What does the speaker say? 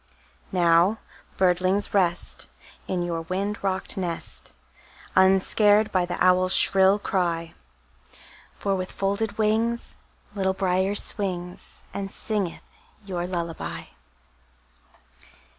Now, birdlings, rest, In your wind rocked nest, Unscared by the owl's shrill cry; For with folded wings Little Brier swings, And singeth your lullaby.